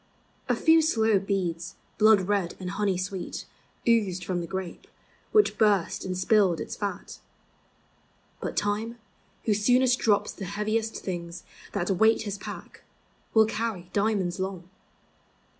A few slow beads, blood red and honey sweet, Oozed from the grape, which burst and spilled its fat. But Time, who soonest drops the heaviest thin That weight his pack, will carry diamonds Long.